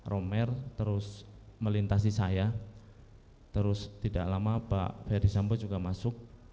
romer terus melintasi saya terus tidak lama pak ferry sambo juga masuk